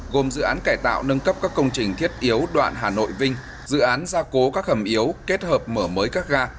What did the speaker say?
gồm dự án cải tạo nâng cấp các công trình thiết yếu đoạn hà nội vinh dự án gia cố các hầm yếu kết hợp mở mới các ga